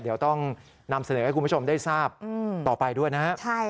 เดี๋ยวต้องนำเสนอให้คุณผู้ชมได้ทราบต่อไปด้วยนะครับ